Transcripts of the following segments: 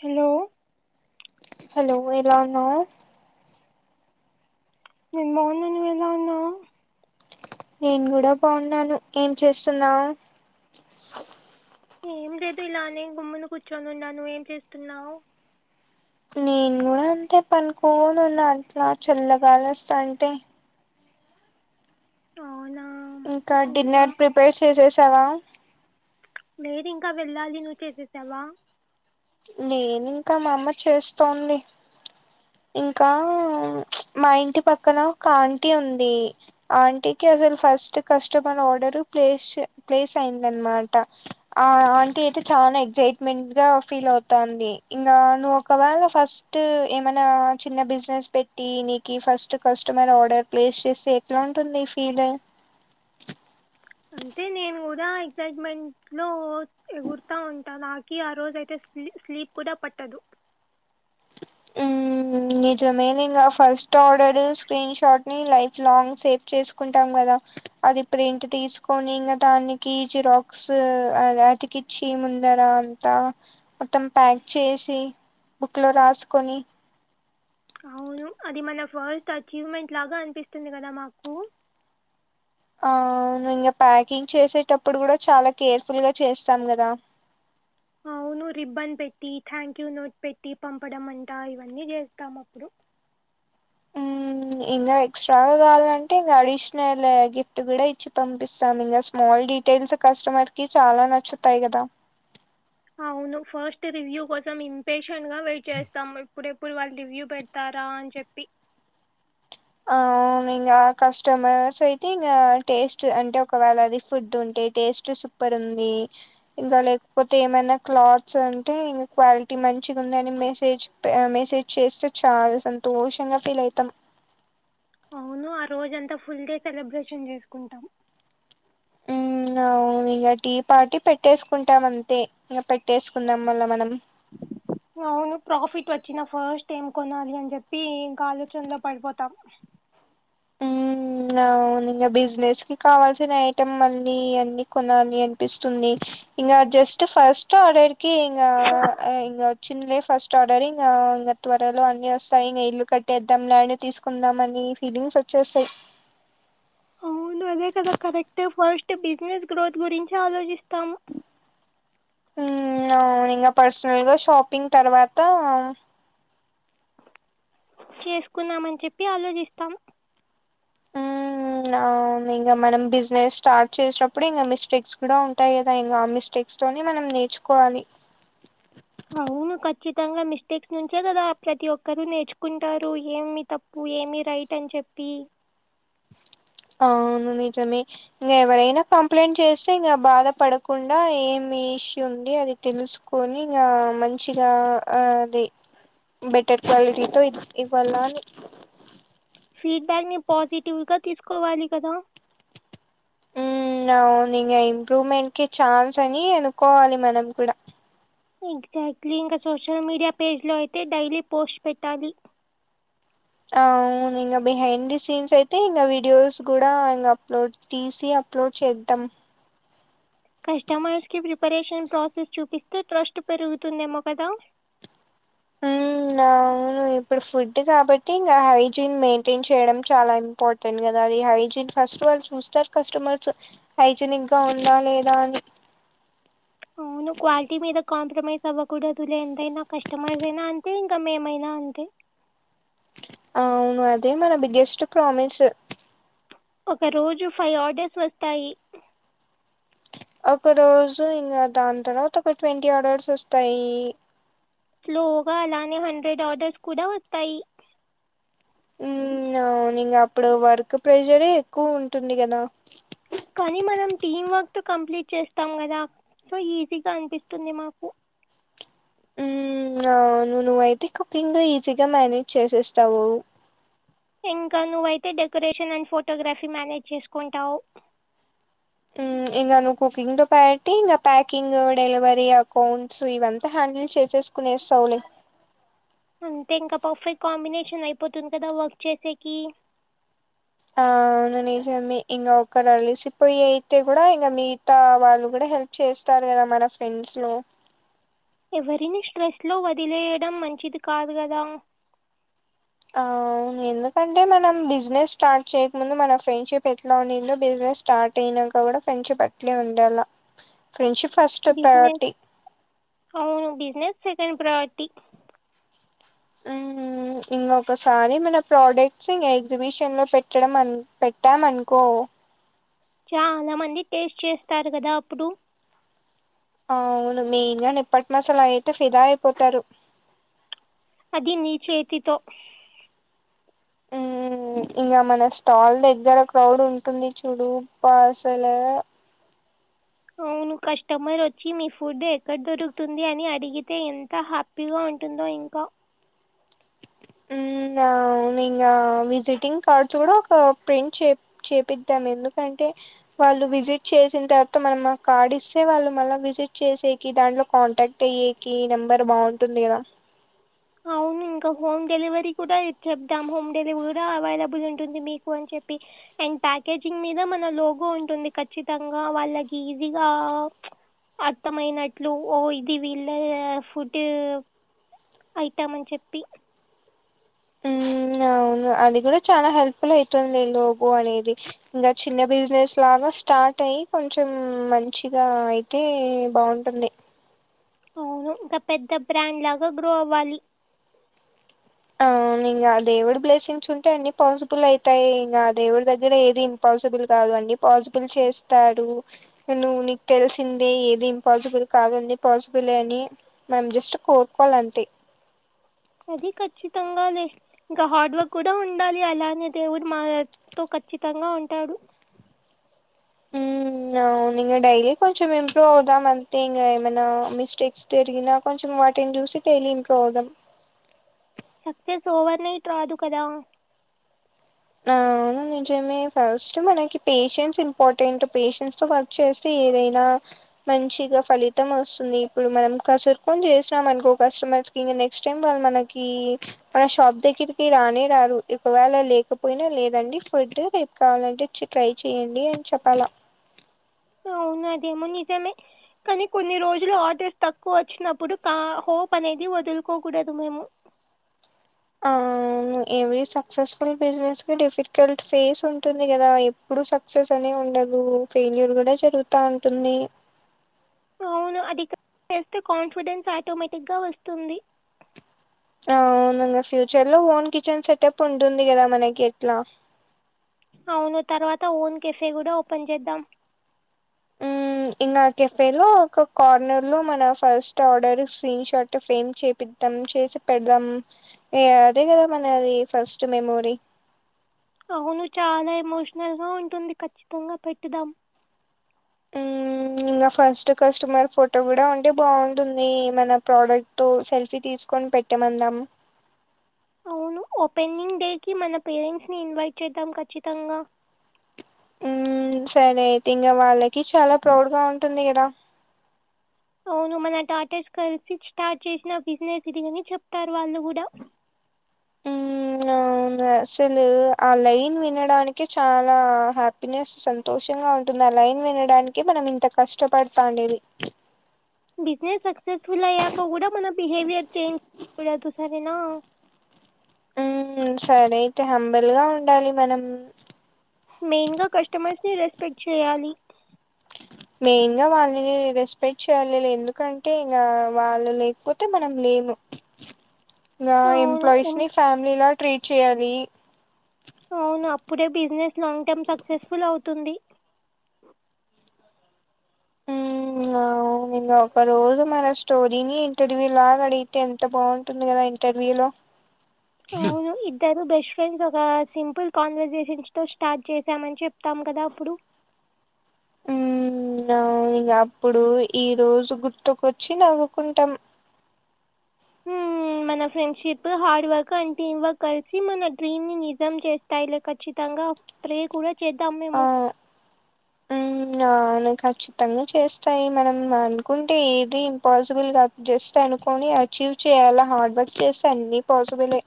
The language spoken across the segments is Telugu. హలో హలో ఎలా ఉన్నావ్ నేను బాగున్న నువ్ ఎలా ఉన్నావ్ నేను కూడా బాగున్నాను ఏం చేస్తున్నావ్ ఏం లేదు ఇలానే గొమ్మున కూర్చొని ఉన్నాను ఏం చేస్తున్నావు నేను కూడా అంతే పనుకోను ఉన్నా అట్లా చల్ల గాలోస్తాంటే అవ్నా ఇంకా డిన్నర్ ప్రిపేర్ చేసేసావా లేదు ఇంకా వెళ్ళాలి నువ్వు చేసేసావా లేదు ఇంకా మా అమ్మ చేస్తోంది ఇంకా మా ఇంటి పక్కన ఒక ఆంటీ ఉంది ఆంటీకి అసలు first customer order place place అయిందనమాట ఆ ఆంటీ అయితే చానా ఎక్సయిటమెంట్ గా ఫీల్ అవుతాంది ఇంగ నువ్వు ఒకవేళ ఫస్ట్ ఏమైనా చిన్న బిజినెస్ పెట్ టీ నీకి ఫస్ట్ కస్టమర్ ఆర్డర్ ప్లేస్ చేస్తే ఎట్లా ఉంటుంది ఫీల్ అంటే నేను కూడా ఎక్సైట్మెంట్ లో ఎగుర్తా ఉంటాను కి ఆ రోజు అయితే స్ స్లీప్ కూడా పట్టదు మ్మ్ నిజమేలే ఇంగ ఫస్ట్ ఆర్డర్ స్క్రీన్ షాట్ ని లైఫ్ లాంగ్ సేవ్ చేసుకుంటాం కదా అది ప్రింట్ తీసుకొని ఇంగ దానికి జిరాక్స్ అతికిచ్చి ముందర కా మొత్తం ప్యాక్ చేసి బుక్ లో రాసుకొని అవును అది మన ఫస్ట్ అచీవ్మెంట్ లాగా అనిపిస్తుంది కదా మాకు ఆ ఇంగా ప్యాకింగ్ చేసేటప్పుడు కూడా చాలా కేర్ఫుల్ గా చేస్తాం కదా అవును రిబ్బన్ పెట్టి థ్యాంక్ యూ నోట్ పెట్టి పంపడం అంటా ఇవన్నీ చేస్తాం అప్పుడు ఇంకా ఎక్స్ట్రాగా కావాలంటే ఇంకా అడిషనల్ గిఫ్ట్ కూడా ఇచ్చి పంపిస్తాం ఇంగ స్మాల్ డి తెల్సు కస్టమర్ కి చాలా నచ్చుతాయి కదా అవును ఫస్ట్ రివ్యూ కోసం ఇంపేషెంట్ గా వెయిట్ చేస్తాము ఎప్పుడేప్ ప్పుడు వాల్ రివ్యూ పెడతారా అని చెప్పి ఆ ఇంకా కస్టమర్స్ అయితే ఇంకా టేస్ట్ అంటే ఒకవేళ అది ఫుడ్ ఉంటే టేస్ట్ సూప్ పర్ ఉంది ఇంకా లేకపోతే ఏమైనా క్లాత్స్ అంటే ఇంకా క్వాలిటీ మంచిగా ఉంది అని మెసేజ్ మెసేజ్ చేస్తే చాలా సంతోషంగా ఫీల్ అవుతాం అవును ఆ రోజ అంతా ఫుల్ డే సెలబ్రేషన్ చేసుకుంటాం ఉ అవును ఇక టీ పార్టీ పెట్టేసుకుంటాం అంతే ఇంక పెట్టేసుకుందాం మళ్ల మనం అవును ప్రాఫిట్ వచ్చిన ఫస్ట్ ఏం కొనాలి అని చెప్పి ఇంకా ఆలోచనలో పడిపోతాం ఆ ఇంగా బిజినెస్ కి కావాల్సిన ఐటమ్ మళ్ళీ అన్ని కొనాలి అనిపిస్తుంది ఇంగ జస్ట్ ఫస్ట్ ఆర్డర్కి ఇ ఇంగా ఆ ఇంగ వచ్చిందిలే ఫస్ట్ అడోరే ఇంకా త్వరలో అన్ని వస్తాయి ఇంకా ఇల్లు కట్టేద్దాం ల్యాండ్ తీసుకుందాం అని ఫీలింగ్స్ వ వచ్చేస్తాయి అవును అదే కదా కరెక్ట్ ఫస్ట్ బిజినెస్ గ్రోత్ గురించే ఆలోచిస్తాము అవును ఇంకా పర్సనల్ గా షాపింగ్ తర్వాత చేసుకుందామని చెప్పి ఆలోచిస్తాం ఉమ్ అవును ఇంకా మనం బిజినెస్ స్టార్ట్ చేసినప్పుడు ఇంకా మిస్టేక్స్ కూడా ఉంటాయి కదా ఇంగా ఆ మిస్టేక్ తొనీ మనం నేర్చుకోవాలి అవును ఖచ్చితంగా మిస్టేక్స్ నుంచే కదా ప్రతి ఒక్కరు నేర్చుకుంటారు ఏమి తప్పు ఏమి రైట్ అని చెప్పి అవును నిజమే ఇంగా ఎవరైనా కంప్లైంట్ చేస్తే ఇంకా బాధ పడకుండా ఏమి ఇష్యూ ఉంది అది తెలుసుకొని ఇకా మంచిగా ఆ అది బెటర్ క్వాలిటీతో ఇవ్వాల అనీ ఫీడ్ బ్యాక్ ని పాజిటివ్గా తీసుకోవాలి కదా ఉ అవును ఇంగా ఇంప్రూవ్మెంట్ కి ఛాన్స్ అని అనుకోవాలి మనం కూడా ఎగ్జాక్ట్లీ ఇంకా సోషల్ మీడియా పేజ్లో అయితే డైలీ పోస్ట్ పెట్టాలి అవును ఇకా బిహైండ్ ది సీన్స్ అయితే ఇకా వీడియోస్ కూడా ఇకా అప్లోడ్ తీసీ అప్లోడ్ చేద్దాం కస్టమర్స్కి ప్రిపరేషన్ ప్రాసెస్ చూపిస్తే ట్రస్ట్ పెరుగుతుందేమో కదా ఉమ్ అవును ఇప్పుడు ఫుడ్ కాబట్టి ఇంకా హైజీన్ మెయిన్ టిన్ చేయడం చాలా ఇంపార్టెట్ ను కదా అది హైజిన్ ఫస్ట్ వాల్ చూస్తారు కస్టమర్స్ హైజనిక్ గా ఉందా లేదా అని అవును క్వాలిటీ మీద కాంప్రమైజ్ అవ్వకూడదులే ఎంతైనా కస్టమర్స్ అయినా అంతే ఇంకా మేమైనా అంతే అవును అదే మన బిగ్గెస్ట్ ప్రామిస్ ఒక్కరోజు ఫైవ్ ఆర్డర్స్ వస్తాయి ఒక్క రోజు ఇంకా దాని తర్వాత ఒక ట్వంటీ ఆర్డర్స్ వస్తాయి స్లోగా అలానే హండ్రెడ్ ఆర్డర్స్ కూడా వస్తాయి అవును ఇంకా అప్పుడు వర్క్ ప్రెజర్ ఎక్కువ ఉంటుంది కదా కానీ మనం టీం వర్క్ తో కంప్లీట్ చేస్తాం కదా సో ఈజీగా అనిపిస్తుంది మాకు ఊ ఇగా అవును నువ్వైతే కుకింగ్ ఈజీగా మానేజ్ చేసేస్తావు ఇంకా నువ్వైతే డెకరేషన్ అండ్ ఫోటోగ్రఫీ మేనేజ్ చేసుకుంటావు ఊఇంకా నువ్వు కుకింగ్ తో పట్టి ఇంకా ప్యాకింగ్ డెలివరీ అకౌంట్స్ ఇవంతా హ్యాండిల్ చేసేసి కునేస్తావులే అంటే ఇంక పర్ఫెక్ట్ కాంబినేషన్ అయిపోతుంది కదా వర్క్ చేసేకి ఆ అవును నిజమే ఇంకా ఒకరు అలిసిపోయి అయితే కూడా ఇంకా మిగతా వాళ్ళు కూడా హెల్ప్ చేస్తారు కదా మన ఫ్రెండ్స్ లో ఎవరిని స్ట్రెస్లో వదిలేయడం మంచిది కాదు కదా ఆ అవును ఎందుకంటే మనం బిజినెస్ స్టార్ట్ చేయకముందు మన ఫ్రెండ్షిప్ ఎట్లా ఉండిదో బిజినెస్ స్టార్ట్ అయినాక కూడా ఫ్రెండ్షిప్ అట్లే ఉండాలా ఫ్రెండ్షిప్ ఫస్ట్ బిజినెస్ ప్రేయారిటీ అవును బిజినెస్ సెకండ్ ప్రేయారిటీ ఆ ఇంకొకసారి మన ప్రోడక్ట్స్ ఇంగ ఎగ్జిబిషన్ లో పెట్టడం పెట్టాం అనుకో చాలా మంది టేస్ట్ చేస్తారు కదా ఉప్పుడు ఆ అవును మెయిన్ గా నిప్పట్టు మసాలా అయితే ఫిదా అయిపోతారు అది నీ చేతితో మ్మ్ ఇంగ మన స్టాల్ దగ్గర క్రౌడ్ ఉంటుంది చూడు పాసలే అవును కస్టమర్ వచ్చి మీ ఫుడ్ ఎక్కడ దొరుకుతుంది అని అడిగితే ఎంత హ్యాప్ హ్యాపీగా ఉంటుందో ఇంక ఊ అవును ఇంగ విజిటింగ్ కార్డ్స్ కూడా ఒక ప్రింట్ చె చేపిద్దాం ఎందుకంటే వాళ్ళు విజిట్ చేసిన తర్వాత మనం ఆకార్డు ఇస్తే వాళ్ళు మళ్ళ విజిట్ చేసేకి దాంట్లో కాంటాక్ట్ అయ్యేకీ నెంబర్ బావుంటుంది కదా అవును ఇంకా హోమ్ డెలివరీ కూడా ఇచెద్దం హోమ్ డెలివరీ అవైలబుల్ ఉంటుంది మీకు అని చెప్పి అండ్ ప్యాకేజింగ్ మీద మన లోగో ఉంటుంది ఖచ్చితంగా వాళ్ళకిజీగా అర్థమయినట్లు ఓ ఇది వీళ్ళ ఫుడ్ ఐటమ్ అని చెప్పి ఆ ఆ అవును అది కూడా చాలా హెల్ప్ఫుల్ అయితుంది లోగో అనేది ఇంగ చిన్న బిజినెస్ లాగా స్టార్ట్ అయ్యి కొంచం మంచిగా అయితే బావుంటుంది అవును ఇంకా పెద్ద బ్రాండ్ లాగా గ్రో అవ్వాలి ఆ అవును ఇంగ ఆ దేవుడు బ్లెస్సింగ్స్ ఉంటే అన్ని పాన్సిబుల్ అయితాయి ఇంగ ఆ దేవుడి దగ్గర ఏది ఇంపాజిబుల్ కాదు అండి పాసిబుల్ చేస్తాడు నువ్వు నీకు తెలిసిందే ఏది ఇంపాసిబుల్ కాదు అన్ని పాసిబులే అని మనం జస్ట్ కోరుకోలంతే అది ఖచ్చితంగా లే ఇంకా హార్డ్ వర్క్ కూడా ఉండాలి అలానే దేవుడు మాతో ఖచ్చితంగా ఉంటాడు స్ ఆ అవునింగ డైలీ కొంచం ఇంప్రూవ్ అవుదాం అంతే ఇంగా ఏమనా మిస్టేక్స్ తరిగిన కొంచెం వాటిని చూసి డైలీ ఇంప్రూవ్ అవుదాం సక్సెస్ ఓవర్ నైట్ రాదు కదా ఆ అవును నిజమే ఫస్ట్ మనకి పేషెన్స్ ఇంపార్టెంట్ పేషెన్స్ తో ఫస్ట్ చేస్తే ఏదైనా మంచిగా ఫలితం వస్తుంది ఇప్పుడు మనం కసుర్కొని చేసినాం అనుకో కస్టమర్స్ ఇంగ నెక్స్ట్ టైమ్ వాళ్ళు మనకి మన షాప్ దగ్గరికి రానే రారు ఒకవేళ లేకపో పోయిన లేదండి ఫుడ్ రేపు కావాలంటే వచ్చి ట్రై చేయండి అని చెప్పాలా అవును అదేమో నిజమే కానీ కొన్ని రోజులు ఆర్డర్స్ తక్కువ వచ్చినప్పుడు కా హోప్ అనేది వదులుకోకూడదు మేము ఆ అవును ఎవ్రీ సక్సెస్ఫుల్ బిజినెస్ కి డిఫికల్ట్ ఫేస్ ఉంటుంది గదా ఎప్పుడు సక్ సక్సెస్ అనే ఉండదు ఫెయిల్యూర్ కూడ జరుగుతా ఉంటుంది అవును అది చేస్తే కాన్ఫిడెన్స్ ఆటోమేటిక్గ వస్తుంది అవునంగా ఫ్యూచర్ లో ఓన్ కిచెన్ సెటప్ ఉంటుంది కదా మనకి ఎట్లా అవును తర్వాత ఓన్ కెఫ్ఫే కూడ ఓపెన్ చేద్దాం ఇంగా కెఫ్ఫే లో ఒక కార్నర్ లో మన first order screen shot frame చేపిద్ ద్ధం చేసి పెడదాం ఇగ అదే కదా మనది ఫస్ట్ మెమోరీ అవును చాలా ఎమోషనల్ గా ఉంటుంది ఖచ్చితంగ పెట్టుదాం స్ మ్మ్ ఇంగ ఫస్ట్ కస్టమర్ ఫోటో కూడా ఉంటే బావుంటుంది మన ప్రోడక్ట్ తో సెల్ఫీ తీసుకొని పెట్ ట్టమందామ అవును ఓపెన్నింగ్ డేకి మన పేరెంట్స్ని ఇన్వైట్ చేద్దాం ఖచ్చితంగా ఊమ్ సరే అయితే ఇంగ వాళ్ళకి చాలా ప్రౌడ్ గ ఉంటుంది కదా అవును మన డాటర్స్ కలిసి స్టార్ట్ చేసిన బిజినెస్ ఇది అని చెప్తారు వాళ్ళు గూడ ఎ అవునసలు ఆ లైన్ వినడానికి చాలా హ్యాప్ నెస్ సంతోషంగా ఉంటుంది ఆ లైన్ వినడానికి మనం ఇంత కష్టపడతాండేది బిజినెస్ సక్సెస్ఫుల్ అయ్యాక కూడ మన బిహేవియర్ చేంజ్ చేయకూడదు సరేనా ఉమ్ సరే అయితే హంబల్ గా ఉండాలి మనం మెయిన్ గా కస్టమర్స్ని రెస్పెక్ట్ చేయాలి మెయిన్ గ వాళ్ళని రెస్పెక్ట్ చేయలిలే ఎందుకంటే ఇంగా వాళ్ళు లేకపోతే మనం లేము ఆ గా ఎంప్లాయీస్ ని ఫ్యామిలీలా ట్రీట్ చేయాలి అవును అప్పుడే బిజినెస్ లాంగ్ టర్మ్ సక్సెస్ఫుల్ అవుతుంది ఇంగావు ఇంగ ఒక రోజు మన స్టోరీని ఇంటర్వ్యూ లాగా అడిగితే ఎంత బావుంటుంది కదా ఇన్ టర్వ్యూలో అవును ఇద్ ద్దరు బెస్ట్ ఫ్రెండ్స్ ఒకా సింపుల్ కాన్వర్సేషన్స్ తో స్టార్ట్ చేసామని చెప్తాం కదా అప్పుడు ఉమ్ అవునింగప్పుడు ఈ రోజు గుర్తుకొచ్చి నవ్వుకుంటాం హ్మ్ మన friendship hard work and team work కలిసి మన డ్రీమ్ ని నిజం చేస్తాయిలె ఖచ్చితంగా ప్ర్రే కూడా చేద్దాం ఆ మేము ఉమ్ అవును ఖచ్చితంగ చేస్తాయి మనం అనుకుంటే ఏది ఇంపాసిబుల్ గాద్ జస్ట్ అనుకోని అచీవ్ చేయ్యాలా హార్డ్ వర్క్ చేస్తే అన్ని పాసిబులే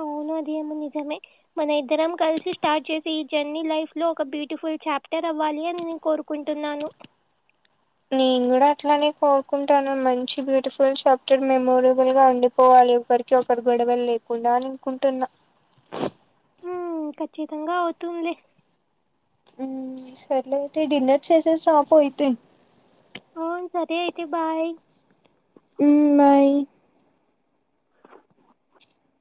అవునది ఏమో నిజమే మన ఇద్దరం కలిసి స్టార్ట్ చేసే ఈ జర్నీ లైఫ్ లో ఒక బ్యూటిఫుల్ చాప్టర్ అవ్వాలి అని నేను కోరు కుంటున్నాను నేను గూడ అట్లానే కోరుకుంటాన్నాను మంచి బ్యూటిఫుల్ చప్టర్ మెమోరబుల్ గా ఉండిపోవాలి ఒకరిక్ కి ఒకరి గొడవలు లేకుండానినుకుంటున్నా ఊమ్ ఖచ్చితంగా అవుతుందిలే ఉమ్ సర్లే అయితే డిన్నర్ చేసేసి రాపో అయితే అవును సరే అయితే బాయ్ ఉమ్ బాయ్